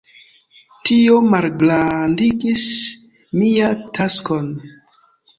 Tio malgrandigis mia taskon.